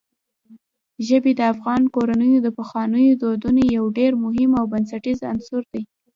ژبې د افغان کورنیو د پخوانیو دودونو یو ډېر مهم او بنسټیز عنصر دی.